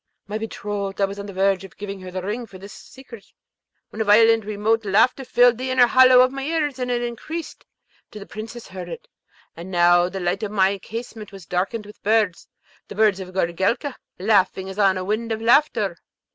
My betrothed! I was on the verge of giving her the ring for this secret, when a violent remote laughter filled the inner hollow of my ears, and it increased, till the Princess heard it; and now the light of my casement was darkened with birds, the birds of Goorelka, laughing as on a wind of laughter.